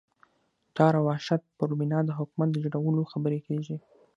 ډار او وحشت پر بنا د حکومت د جوړولو خبرې کېږي.